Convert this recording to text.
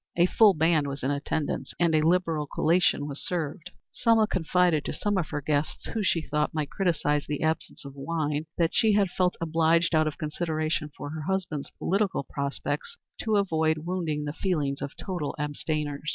A full band was in attendance, and a liberal collation was served. Selma confided to some of her guests, who, she thought, might criticise the absence of wine, that she had felt obliged, out of consideration for her husband's political prospects, to avoid wounding the feelings of total abstainers.